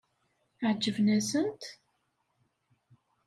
Ɛeǧben-asent?